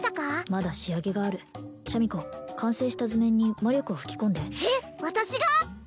まだ仕上げがあるシャミ子完成した図面に魔力を吹き込んでえっ私が！？